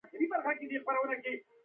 هر څومره چې پانګه ډېره وده وکړي